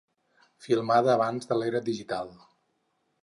Filmada abans de l'era digital.